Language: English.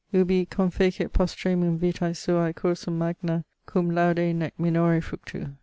ubi confecit postremum vitae suae cursum magna cum laude nec minore fructu.